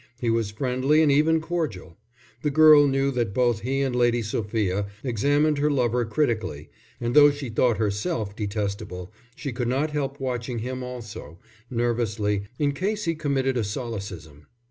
He was friendly and even cordial. The girl knew that both he and Lady Sophia examined her lover critically, and though she thought herself detestable, she could not help watching him also, nervously, in case he committed a solecism.